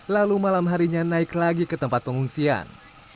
lalu malam harinya naik lagi ke tempat pengungsian